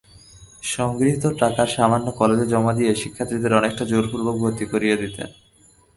সংগৃহীত টাকার সামান্য কলেজে জমা দিয়ে শিক্ষার্থীদের অনেকটা জোরপূর্বক ভর্তি করিয়ে নিতেন।